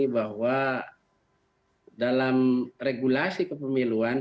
bahwa dalam regulasi kepemiluan